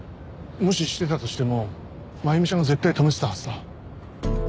もししてたとしても真弓ちゃんが絶対止めてたはずだ。